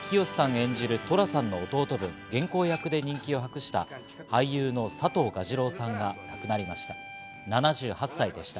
演じる寅さんの弟分・源公役で人気を博した、俳優の佐藤蛾次郎さんが亡くなりました。